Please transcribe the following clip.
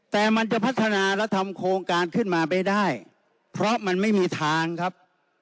แต่มันจะพัฒนาและทำโครงการขึ้นมาไม่ได้เพราะมันไม่มีทางครับ